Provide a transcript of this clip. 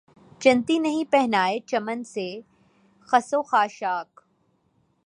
چنتی نہیں پہنائے چمن سے خس و خاشاک